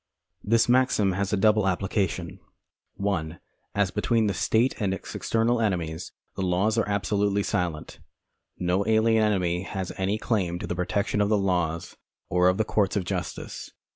This maxim has a double application: (1) As between the state and its external enemies, the laws arc absolutely silent. No alien enemy has any claim to the protection of the laws or of the courts of justice.